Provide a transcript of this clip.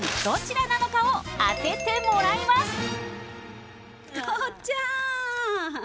どちらなのかを当ててもらいますこっちゃん！